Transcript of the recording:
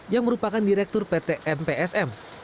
yang merupakan direktur pt mpsm